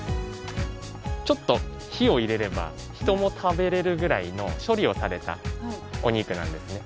ちょっと火を入れれば人も食べれるぐらいの処理をされたお肉なんですね。